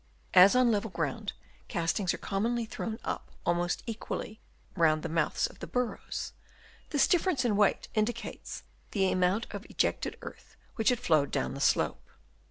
As on level ground castings are commonly thrown up almost equally round the mouths of the burrows, this difference in weight indicates the amount of ejected earth which had flowed down the slope.